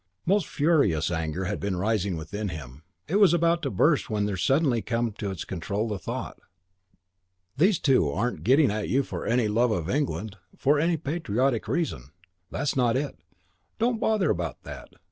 Most furious anger had been rising within him. It was about to burst when there had suddenly come to its control the thought, "These two aren't getting at you for any love of England, for any patriotic reason. That's not it. Don't bother about that.